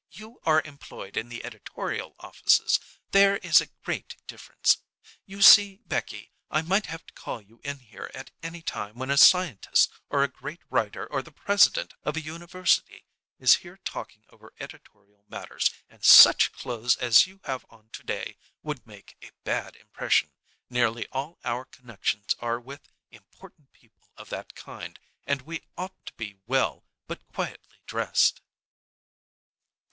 You are employed in the editorial offices. There is a great difference. You see, Becky, I might have to call you in here at any time when a scientist or a great writer or the president of a university is here talking over editorial matters, and such clothes as you have on to day would make a bad impression. Nearly all our connections are with important people of that kind, and we ought to be well, but quietly, dressed."